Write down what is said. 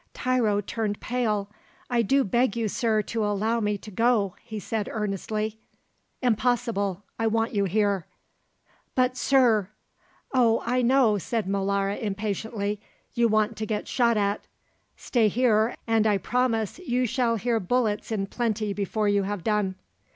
Tiro turned pale. "I do beg you, Sir, to allow me to go," he said earnestly. "Impossible, I want you here." "But, Sir " "Oh, I know," said Molara impatiently; "you want to get shot at. Stay here, and I promise you shall hear bullets in plenty before you have done."